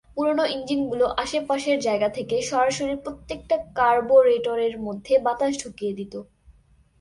পুরনো ইঞ্জিনগুলো আশেপাশের জায়গা থেকে সরাসরি প্রত্যেকটা কার্বোরেটরের মধ্যে বাতাস ঢুকিয়ে দিত।